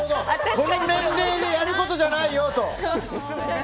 この年齢でやることじゃないよと。